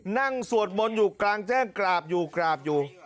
สวดมนต์อยู่กลางแจ้งกราบอยู่กราบอยู่